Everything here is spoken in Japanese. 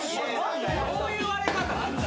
こういう割れ方あんだ。